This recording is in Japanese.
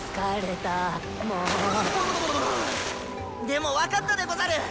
でも分かったでござる！